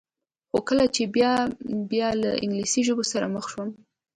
خو کله چې به بیا له انګلیسي ژبو سره مخ شوم.